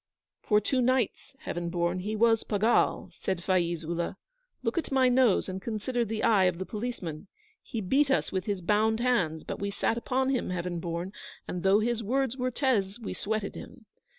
'For two nights, Heaven born, he was pagal' said Faiz Ullah. 'Look at my nose, and consider the eye of the policeman. He beat us with his bound hands; but we sat upon him, Heaven born, and though his words were tez, we sweated him.